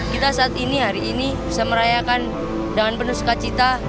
kita saat ini hari ini bisa merayakan dengan penuh sukacita